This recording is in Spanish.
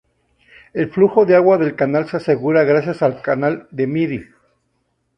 El flujo de agua del canal se asegura gracias al canal de Midi.